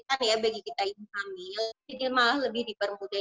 jadi kan ya bagi kita ibu hamil jadi malah lebih dipermudah